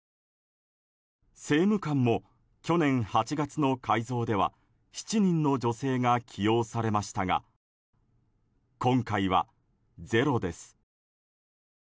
政務官も、去年８月の改造では７人の女性が起用されましたが今回はゼロです。